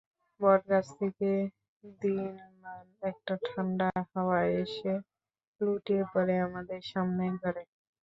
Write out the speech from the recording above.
বটগাছ থেকে দিনমান একটা ঠান্ডা হাওয়া এসে লুটিয়ে পড়ে আমাদের সামনের ঘরে।